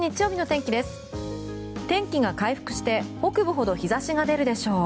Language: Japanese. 天気が回復して北部ほど日差しが出るでしょう。